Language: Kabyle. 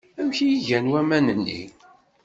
Amek ay gan waman-nni?